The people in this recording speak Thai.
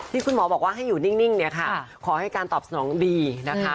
ที่คุณหมอบอกว่าให้อยู่นิ่งเนี่ยค่ะขอให้การตอบสนองดีนะคะ